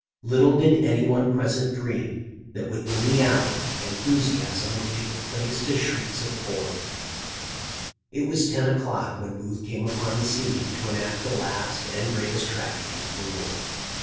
Little did anyone present dream that within the hour enthusiasm would give place to shrieks of horror. It was ten o'clock when Booth came upon the scene to enact the last and greatest tragedy of the war.